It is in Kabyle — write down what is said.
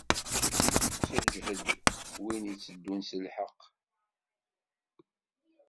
Sseǧhed win itteddun s lḥeqq.